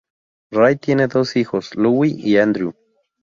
Ray tiene dos hijos: Louie y Andrew.